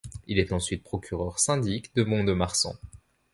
Il est ensuite procureur syndic de Mont-de-Marsan.